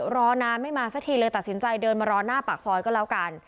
รอนานไม่มาสักทีเลยตัดสินใจเดินมารอหน้าปากซอยก็แล้วกัน